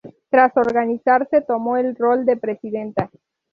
Tras organizarse, tomó el rol de presidenta.